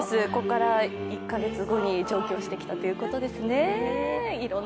ここから１カ月後に上京してきたということですね。